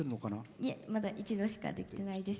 いえ、まだ一度しかできてないです。